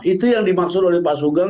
itu yang dimaksud oleh pak sugeng